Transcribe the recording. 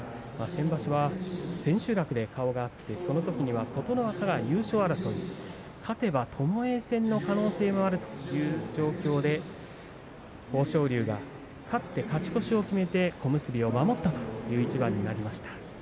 先場所は千秋楽で顔が合ってそのときは琴ノ若、優勝争い勝てば、ともえ戦の可能性もあるという状況で豊昇龍が勝って勝ち越しを決めて小結を守ったという一番になりました。